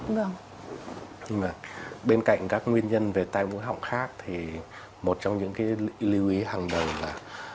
nhưng mà bên cạnh các nguyên nhân về tai mũi họng khác thì một trong những cái lưu ý hàng đầu là